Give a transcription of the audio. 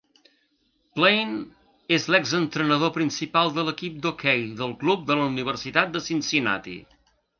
Blaine és l'ex entrenador principal de l'equip d'hoquei del club de la Universitat de Cincinnati.